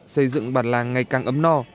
xây dựng bản làng ngày càng ấm no